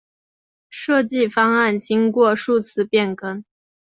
设计方案经过数次变更。